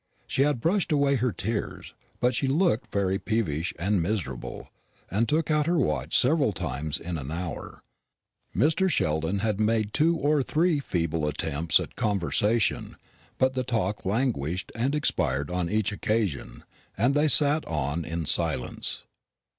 She had brushed away her tears, but she looked very peevish and miserable, and took out her watch several times in an hour. Mr. Sheldon made two or three feeble attempts at conversation, but the talk languished and expired on each occasion, and they sat on in silence.